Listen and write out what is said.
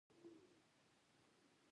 کونډه د ناخوالو ځپلې ښځه ده